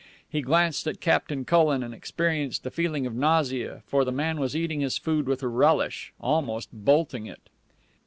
He glanced at Captain Cullen, and experienced a feeling of nausea, for the man was eating his food with relish, almost bolting it.